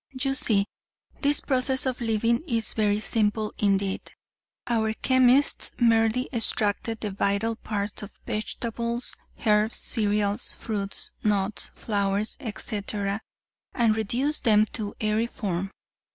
"You see, this process of living is very simple indeed; our chemists merely extracted the vital parts of vegetables, herbs, cereals, fruits, nuts, flowers, etc., and reduced them to aeriform.